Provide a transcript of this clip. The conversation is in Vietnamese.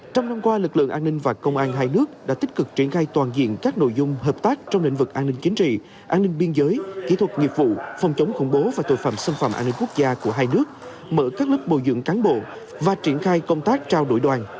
trong năm qua lực lượng an ninh và công an hai nước đã tích cực triển khai toàn diện các nội dung hợp tác trong lĩnh vực an ninh chính trị an ninh biên giới kỹ thuật nghiệp vụ phòng chống khủng bố và tội phạm xâm phạm an ninh quốc gia của hai nước mở các lớp bồi dưỡng cán bộ và triển khai công tác trao đổi đoàn